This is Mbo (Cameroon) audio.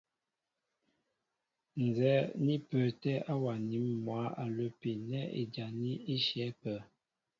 Ǹzɛ́ɛ́ ní pə́ə́tɛ̄ awaní mwǎ a lə́pi nɛ́ ijaní í shyɛ̌ ápə́.